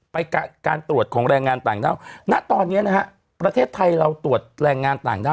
การตรวจของแรงงานต่างด้าวณตอนนี้นะฮะประเทศไทยเราตรวจแรงงานต่างด้าว